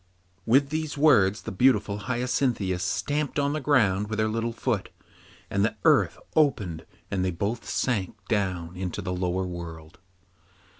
With these words the beautiful Hyacinthia stamped on the ground with her little foot, and the earth opened and they both sank down into the lower world.